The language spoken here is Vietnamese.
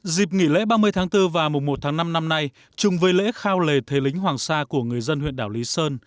dịp nghỉ lễ ba mươi tháng bốn và mùa một tháng năm năm nay chung với lễ khao lề thế lính hoàng sa của người dân huyện đảo lý sơn